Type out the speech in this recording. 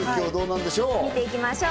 見ていきましょう。